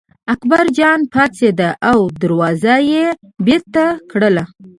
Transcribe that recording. اکبرجان پاڅېد او دروازه یې بېرته کړه.